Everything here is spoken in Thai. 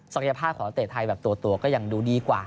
ยภาพของนักเตะไทยแบบตัวก็ยังดูดีกว่า